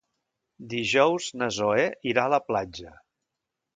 Dijous na Zoè irà a la platja.